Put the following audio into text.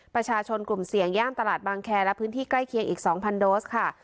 ประชาชนกลุ่มเสี่ยงย่านตลาดบางแคร์และพื้นที่ใกล้เคียงอีก๒๐๐โดสค่ะ